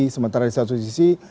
sementara di satu sisi